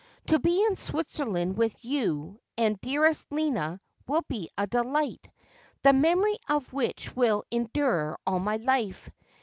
To be in Switzerland with you and dearest Lina will be a delight, the memory of which will endure all my life.